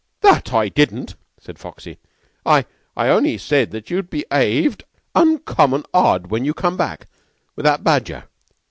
"That I didn't," said Foxy. "I I only said that you be'aved uncommon odd when you come back with that badger.